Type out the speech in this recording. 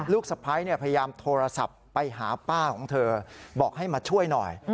สะพ้ายพยายามโทรศัพท์ไปหาป้าของเธอบอกให้มาช่วยหน่อย